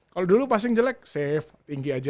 kalau dulu passing jelek safe tinggi aja